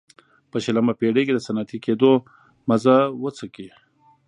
په شلمه پېړۍ کې د صنعتي کېدو مزه وڅکي.